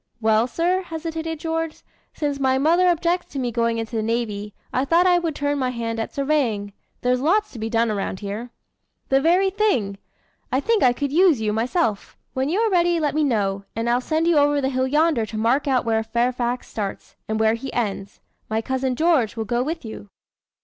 "Well, sir," hesitated George, "since my mother objects to my going into the navy, I thought I would turn my hand at surveying. There's lots to be done around here." "The very thing! I think I could use you, myself. When you are ready let me know, and I'll send you over the hill yonder to mark out where Fairfax starts, and where he ends. My cousin George will go with you."